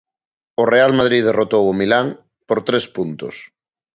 O Real Madrid derrotou o Milán por tres puntos.